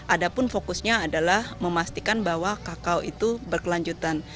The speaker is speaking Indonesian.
adapun fokusnya adalah memastikan bahwa kakao itu berkelanjutan